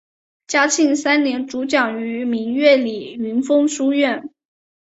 嘉庆三年主讲于明月里云峰书院。